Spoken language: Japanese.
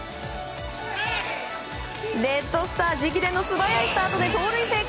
レッドスター直伝の素早いスタートで盗塁成功！